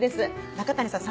中谷さん